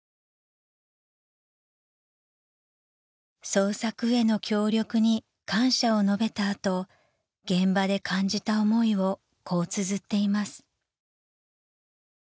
［捜索への協力に感謝を述べた後現場で感じた思いをこうつづっています］